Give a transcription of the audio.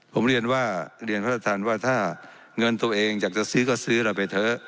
ผมเรียนว่าเรียนท่านประธานว่าถ้าเงินตัวเองอยากจะซื้อก็ซื้อเราไปเถอะ